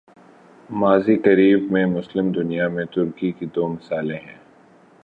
ماضی قریب میں، مسلم دنیا میں ترقی کی دو مثالیں ہیں۔